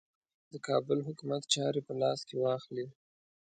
د کابل حکومت چاري په لاس کې واخلي.